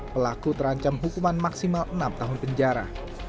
pelaku terancam hukuman maksimal enam tahun penjara